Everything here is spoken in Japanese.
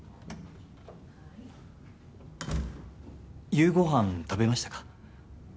夕ご飯食べましたか？